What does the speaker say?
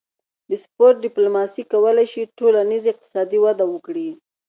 د سپورت ډیپلوماسي کولی شي ټولنیز او اقتصادي وده وکړي